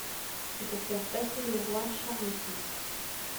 C’est pour faire passer le roi Charles six !